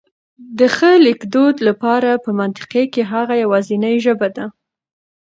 د ښه لیکدود لپاره په منطقه کي هغه يواځنۍ ژبه ده